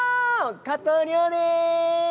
加藤諒です！